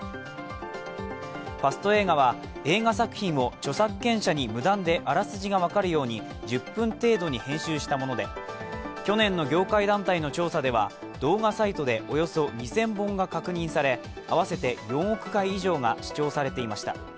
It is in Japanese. ファスト映画は、映画作品を著作権者に無断であらすじが分かるように１０分程度に編集したもので去年の業界団体の調査では、動画サイトでおよそ２０００本が確認され合わせて４億回以上が視聴されていました。